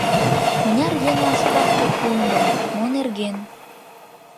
Мыняр еҥлан справке пуымо, мо нерген?